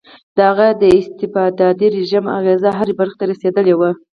د هغه د استبدادي رژیم اغېزه هرې برخې ته رسېدلې وه.